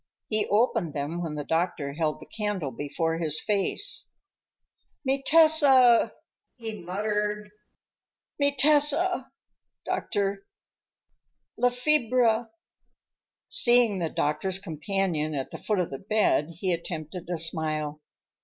He opened them when the doctor held the candle before his face. "Mi testa!" he muttered, "mi testa," doctor. "La fiebre!" Seeing the doctor's companion at the foot of the bed, he attempted a smile.